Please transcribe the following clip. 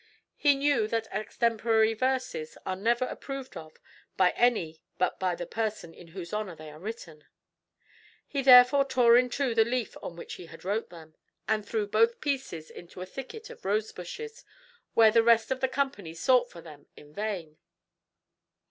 He knew that extemporary verses are never approved of by any but by the person in whose honor they are written. He therefore tore in two the leaf on which he had wrote them, and threw both the pieces into a thicket of rose bushes, where the rest of the company sought for them in vain.